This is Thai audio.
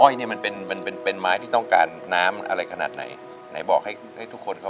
อ้อยนี่มันเป็นไม้ที่ต้องการน้ำอะไรขนาดไหนไหนบอกให้ทุกคนเขา